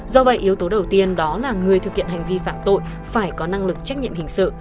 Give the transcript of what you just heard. do vậy yếu tố đầu tiên đó là người thực hiện hành vi phạm tội phải có năng lực trách nhiệm hình sự